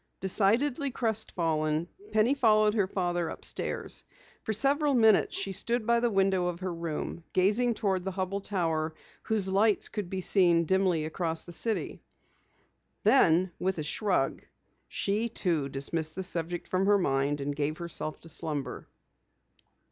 Decidedly crestfallen, Penny followed her father upstairs. For several minutes she stood by the window of her room, gazing toward the Hubell Tower whose lights could be dimly seen across the city. Then, with a shrug, she too dismissed the subject from her mind and gave herself to slumber.